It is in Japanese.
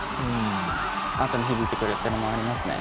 あとに響いてくるというのもありますね。